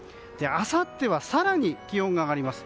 あさっては更に気温が上がります。